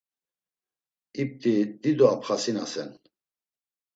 İpti, dido apxasinasen.